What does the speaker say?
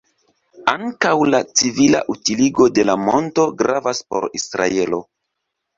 Ankaŭ la civila utiligo de la monto gravas por Israelo.